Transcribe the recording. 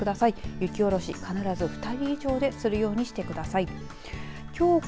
雪下ろし必ず２人以上でするようにしてください。